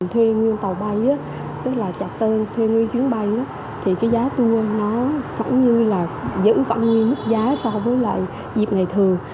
thuê nguyên tàu bay tức là chặt tên thuê nguyên chuyến bay thì giá tour nó giữ phản nhiên mức giá so với dịp ngày thường